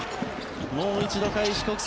もう一度、開志国際。